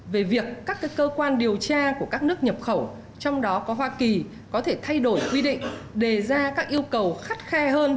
về việc các cơ quan điều tra của các nước nhập khẩu trong đó có hoa kỳ có thể thay đổi quy định đề ra các yêu cầu khắt khe hơn